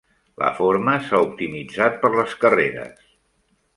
La forma s"ha optimitzat per les carreres.